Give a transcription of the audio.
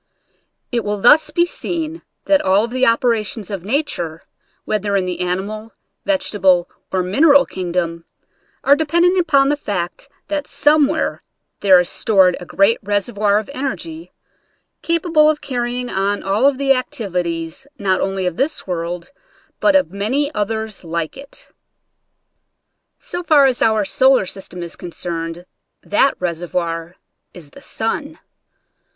It will thus be seen that all of the opera tions of nature, whether in the animal, veg etable or mineral kingdom, are dependent upon the fact that somewhere there is stored a great reservoir of energy, capable of car rying on all of the activities not only of this world but of many others like it. So far as our solar system is concerned, that reservoir is the sun.